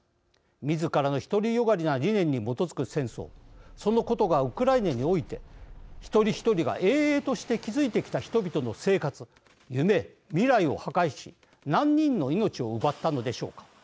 みずからの独り善がりな理念に基づく戦争、そのことがウクライナにおいて一人一人が営々として築いていた人々の生活、夢、未来を破壊し何人の命を奪ったのでしょうか。